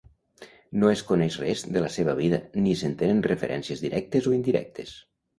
No es coneix res de la seva vida ni se'n tenen referències directes o indirectes.